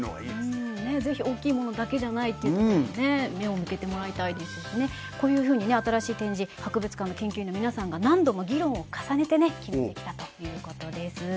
ねっ是非大きいものだけじゃないっていうところにね目を向けてもらいたいですしねこういうふうにね新しい展示博物館の研究員の皆さんが何度も議論を重ねてね決めてきたということです。